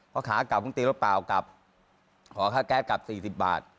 ผมก็ขอค่ากาสกลับ